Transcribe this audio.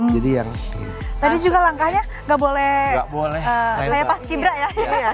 tadi juga langkahnya nggak boleh kayak pas kibra ya